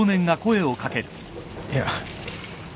いや。